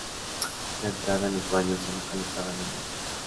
La entrada en los Baños se localizaba en el norte.